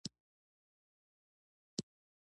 که هره ورځ لږه هڅه هم وکړې، لویې لاسته راوړنې به وګورې.